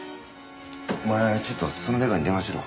お前ちょっとそのデカに電話しろ。